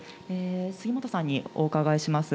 杉本さんにお伺いします。